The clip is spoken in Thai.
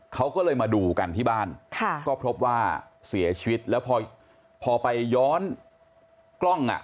เขาก็เลยมาดูกันที่บ้านค่ะก็พบว่าเสียชีวิตแล้วพอพอไปย้อนกล้องอ่ะ